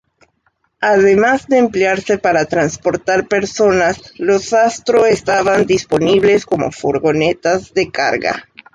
Además de emplearse para transportar personas, los Astro estaban disponibles como furgonetas de carga.